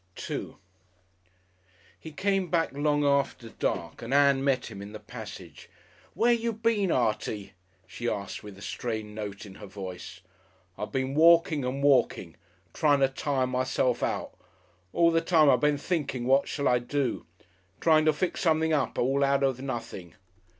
§2 He came back long after dark, and Ann met him in the passage. "Where you been, Artie?" she asked, with a strained note in her voice. "I been walking and walking trying to tire myself out. All the time I been thinking what shall I do. Trying to fix something up all out of nothing."